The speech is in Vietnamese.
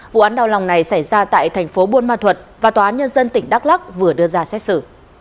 vụ án đau lòng này xảy ra tại thành phố buôn ma thuật và tòa án nhân dân tỉnh đắk lắc vừa đưa ra xét xử